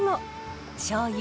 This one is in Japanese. しょうゆ